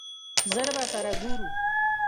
ژر به سره ګورو !